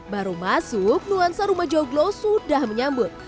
baru masuk nuansa rumah joglo sudah menyambut